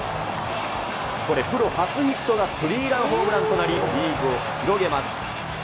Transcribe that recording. これ、プロ初ヒットがスリーランホームランとなり、リードを広げます。